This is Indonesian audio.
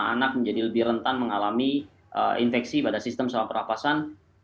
anak menjadi lebih rentan mengalami infeksi pada sistem saluran pernafasan